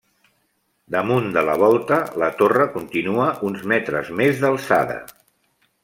Damunt de la volta, la torre continua uns metres més d'alçada.